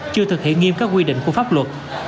chưa thực hiện nghiêm các quy định của pháp luật